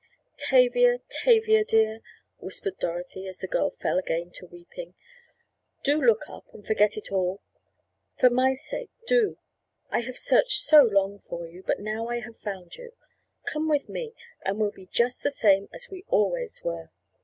"Tavia! Tavia, dear," whispered Dorothy, as the girl fell again to weeping, "do look up and forget it all—for my sake, do. I have searched so long for you, but now I have found you. Come with me and we'll be just the same as we always were."